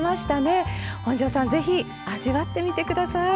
本上さん是非味わってみて下さい。